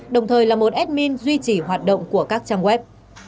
đồng thời là một admin duy trì hoạt động của các trang web